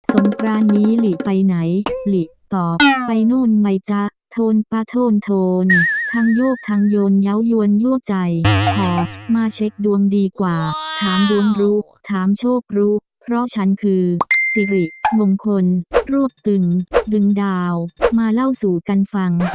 งกรานนี้หลีไปไหนหลีตอบไปนู่นไหมจ๊ะโทนปะโทนโทนทั้งโยกทางโยนเยาวยวนโยกใจขอมาเช็คดวงดีกว่าถามดวงรู้ถามโชครู้เพราะฉันคือสิริมงคลรวบตึงดึงดาวมาเล่าสู่กันฟัง